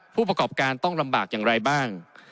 ผู้ประกอบการต้องลำบากอย่างไรบ้าง